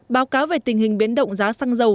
báo cáo về tình hình biến động giá xăng dầu